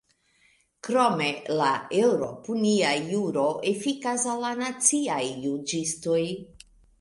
Krome, la eŭropunia juro efikas al la naciaj juĝistoj.